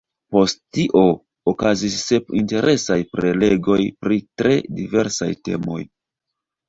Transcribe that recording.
Post tio okazis sep interesaj prelegoj pri tre diversaj temoj.